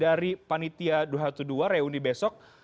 dari panitia dua ratus dua belas reuni besok